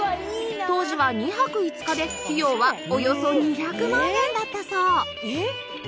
当時は２泊５日で費用はおよそ２００万円だったそう